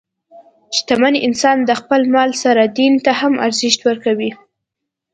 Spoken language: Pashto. شتمن انسان د خپل مال سره دین ته هم ارزښت ورکوي.